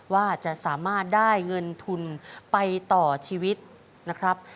ว่าจะสามารถได้เงินทุนไปต่อชีวิตนะครับ